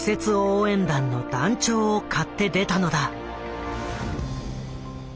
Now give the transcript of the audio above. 応援団の団長を買って出たのだ。